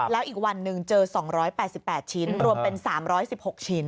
แล้วอีกวันหนึ่งเจอ๒๘๘ชิ้นรวมเป็น๓๑๖ชิ้น